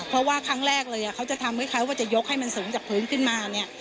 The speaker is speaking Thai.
เพราะว่าครั้งแรกเลยเขาจะทำให้เขาว่าจะยกให้มันสูงจากพื้นขึ้นมาเนี่ย